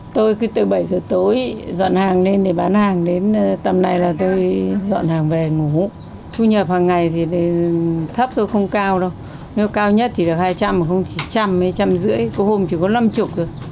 nếu cao nhất thì được hai trăm linh không chỉ một trăm linh mấy trăm rưỡi có hôm chỉ có năm mươi rồi